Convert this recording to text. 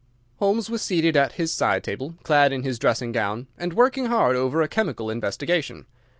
Holmes was seated at his side table clad in his dressing gown, and working hard over a chemical investigation.